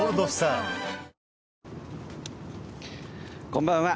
こんばんは。